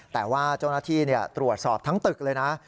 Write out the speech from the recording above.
แต่ว่าเจ้าหน้าที่ตรวจสอบทั้งตึกเลยนะ